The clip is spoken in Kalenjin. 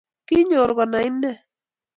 Ki nyor konai inee